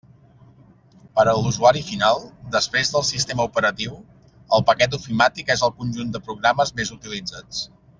Per a l'usuari final, després del sistema operatiu, el paquet ofimàtic és el conjunt de programes més utilitzats.